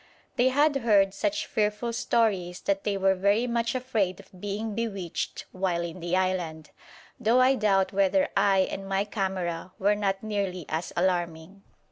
They had heard such fearful stories that they were very much afraid of being bewitched while in the island, though I doubt whether I and my camera were not nearly as alarming.